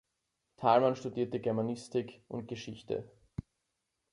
Thalmann studiert Germanistik und Geschichte.